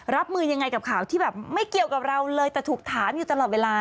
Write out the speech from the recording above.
รับมือยังไงกับข่าวที่แบบไม่เกี่ยวกับเราเลยแต่ถูกถามอยู่ตลอดเวลา